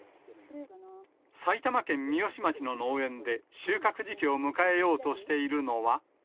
埼玉県三芳町の農園で、収穫時期を迎えようとしているのは。